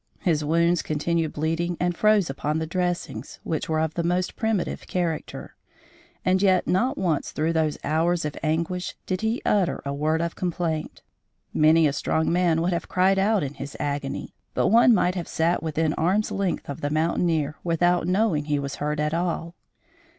His wounds continued bleeding and froze upon the dressings, which were of the most primitive character. And yet not once through those hours of anguish did he utter a word of complaint. Many a strong man would have cried out in his agony, but one might have sat within arm's length of the mountaineer without knowing he was hurt at all.